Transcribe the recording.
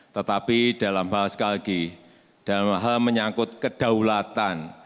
tetapi dalam hal sekali lagi dalam hal menyangkut kedaulatan